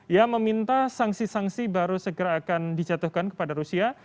ia meminta sanksi sanksi baru segera akan dijatuhkan kepada rusia